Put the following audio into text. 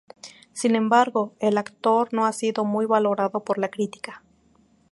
Sin embargo, el actor no ha sido muy valorado por la crítica.